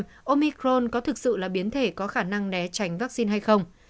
tuy nhiên omicron có thực sự là biến thể có khả năng né tránh vaccine hay không